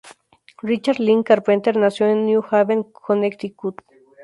Richard Lynn Carpenter nació en New Haven, Connecticut.